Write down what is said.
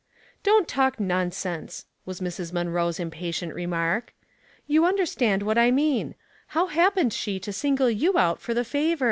"Don't talk nonsense," was Mrs. Munroe's impatient remark. " You understand what I mean. How happened she to single you out for the favor?